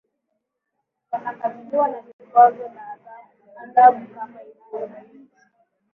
wanakabiliwa na vikwazo na adhabu kama inavyo bainisha